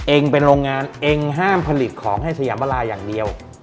เองเป็นโรงงานเองห้ามผลิตของให้สยามลาอย่างเดียว